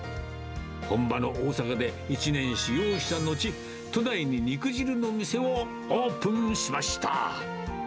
本場の大阪で、１年修業をしたのち、都内に肉じるの店をオープンしました。